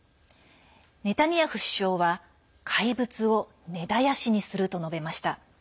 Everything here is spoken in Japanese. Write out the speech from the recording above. ネタニヤフ首相は怪物を根絶やしにすると述べました。